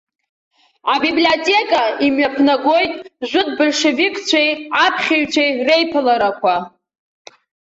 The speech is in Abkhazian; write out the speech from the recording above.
Абиблиотека имҩаԥнагоит ажәытә большевикцәеи аԥхьаҩцәеи реиԥыларақәа.